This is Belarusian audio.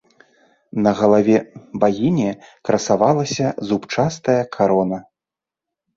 На галаве багіні красавалася зубчастая карона.